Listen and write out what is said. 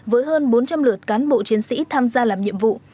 với hơn bốn trăm linh lượt cán bộ chiến sĩ tham gia làm nhiệm vụ